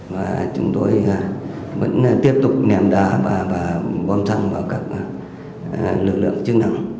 và chúng tôi vẫn tiếp tục ném đá và bom xăng vào các lực lượng chức năng